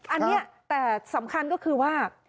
อันนี้แต่สำคัญก็คือว่า